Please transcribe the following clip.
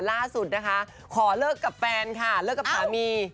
ล่าสุดนะคะขอเลิกกับแฟนค่ะเลิกกับสามี